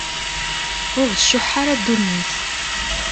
Ur aɣ-tcuḥḥ ara ddunit.